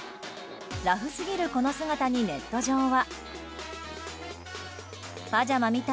ラフすぎるこの姿にネット上は。